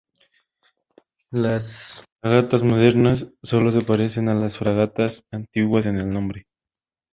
Las fragatas modernas sólo se parecen a las fragatas antiguas en el nombre.